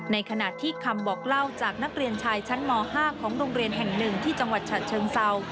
ในขณะที่คำบอกเล่าจากนักเรียนชายชั้นม๕ของโรงเรียนแห่งหนึ่งที่จังหวัดฉะเชิงเศร้า